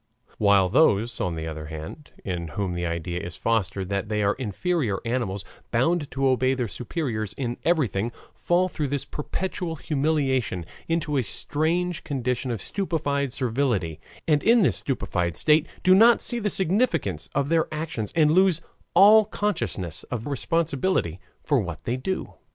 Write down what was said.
While those, on the other hand, in whom the idea is fostered that they are inferior animals, bound to obey their superiors in everything, fall, through this perpetual humiliation, into a strange condition of stupefied servility, and in this stupefied state do not see the significance of their actions and lose all consciousness of responsibility for what they do.